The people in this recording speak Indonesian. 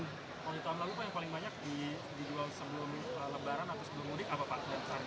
banyak di jual sebelum lebaran atau sebelum mudik apa pak